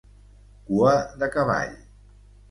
Cua de cavall.